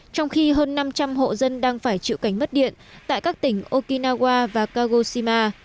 trong khi hơn năm trăm linh hộ dân đang phải chịu cảnh mất điện tại các tỉnh okinawa và kagoshima